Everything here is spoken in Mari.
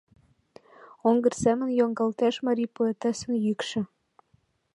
Оҥгыр семын йоҥгалтеш марий поэтессын йӱкшӧ.